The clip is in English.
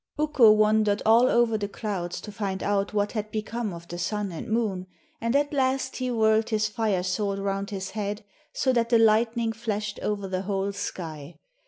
Ukko wandered all over the clouds to find out what had become of the Sun and Moon, and at last he whirled his fire sword round his head so that the lightning flashed over the whole sky.